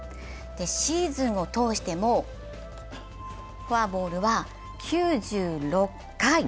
シーズンを通してもフォアボールは９６回。